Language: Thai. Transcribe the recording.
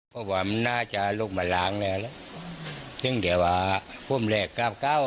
เพราะว่ามันน่าจะลุกมาร้างแน่แล้วซึ่งเดี๋ยวว่าพรุ่งแรกกลับเก้า